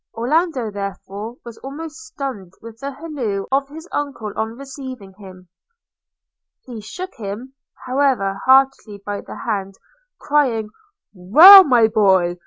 Orlando, therefore, was almost stunned with the halloo of his uncle on receiving him: he shook him, however, heartily by the hand, crying – 'Well, my boy!